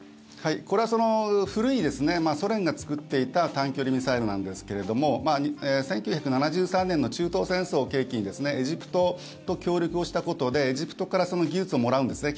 これは、古いソ連が作っていた短距離ミサイルなんですけれども１９７３年の中東戦争を契機にエジプトと協力をしたことでエジプトから技術をもらうんですね